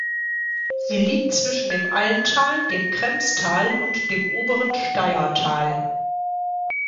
Sie liegt zwischen dem Almtal, dem Kremstal und dem oberen Steyrtal.